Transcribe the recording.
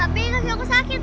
pak fik kakinya aku sakit li